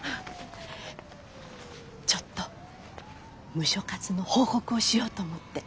ちょっとムショ活の報告をしようと思って。